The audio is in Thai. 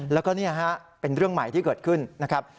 แล้วก็นี่ฮะเป็นเรื่องใหม่ที่เกิดขึ้นนะครับ